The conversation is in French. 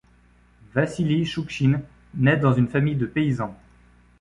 Vassili Choukchine naît dans une famille de paysans.